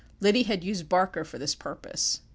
Liddy had used Barker for this purpose.